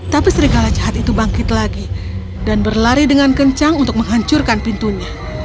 tapi serigala jahat itu bangkit lagi dan berlari dengan kencang untuk menghancurkan pintunya